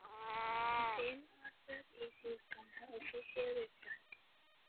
The same artwork is used on her official website.